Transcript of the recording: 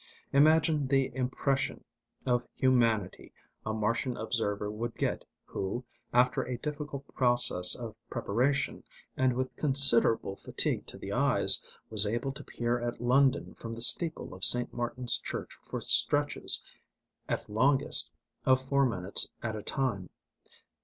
Imagine the impression of humanity a Martian observer would get who, after a difficult process of preparation and with considerable fatigue to the eyes, was able to peer at London from the steeple of St. Martin's Church for stretches, at longest, of four minutes at a time.